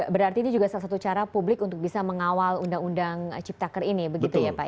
berarti ini juga salah satu cara publik untuk bisa mengawal undang undang ciptaker ini begitu ya pak